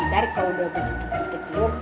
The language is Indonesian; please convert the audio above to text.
ntar kalo udah abis itu kita keluar